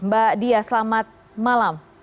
mbak dias selamat malam